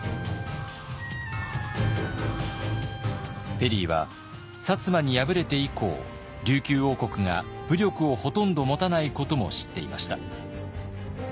ペリーは摩に敗れて以降琉球王国が武力をほとんど持たないことも知っていました。